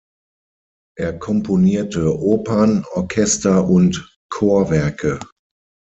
Er komponierte Opern, Orchester- und Chorwerke.